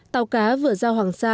tàu cá vừa ra hoàng sa